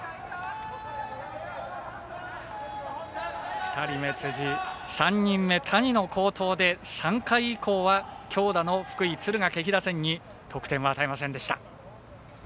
２人目、辻、３人目、谷の好投で３回以降は強打の福井・敦賀気比打線に得点を与えませんでした。